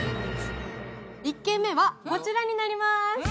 １軒目はこちらになります。